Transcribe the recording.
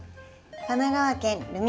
神奈川県る